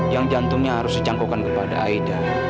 yang jantungnya harus dicangkukan kepada aida